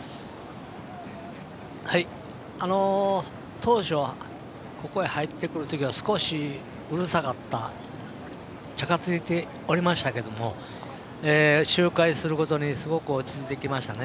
当初はここへ入ってくるときは少しうるさかったチャカついておりましたけれど周回するごとにすごく落ち着いてきましたね。